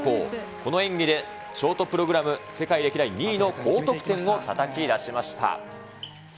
この演技でショートプログラム世界歴代２位の高得点をたたき出しました。